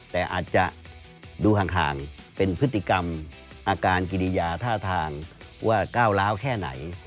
แต่อาจจะดูห่างเป็นพฤติกรรมอาการกิริยาท่าทางว่าก้าวร้าวแค่ไหน